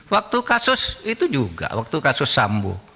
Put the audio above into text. waktu kasus itu juga waktu kasus sambo